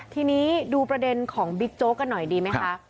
ทีนี้ดูประเด็นของบิ๊กโจ๊กกันหน่อยดีไหมคะ